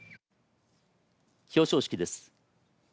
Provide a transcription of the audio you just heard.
表彰式です。